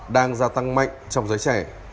đang gia tăng mạnh trong giới trẻ